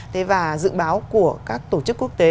thế và dự báo của các tổ chức quốc tế